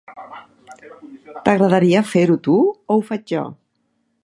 T'agradaria fer-ho tu o ho faig jo?